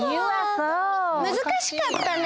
むずかしかったね。